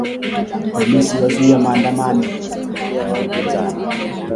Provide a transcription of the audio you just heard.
Polisi wazuia maandamano ya upinzani